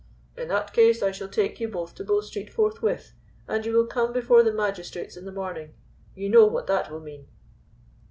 "In that case I shall take you both to Bow Street forthwith, and you will come before the magistrates in the morning. You know what that will mean."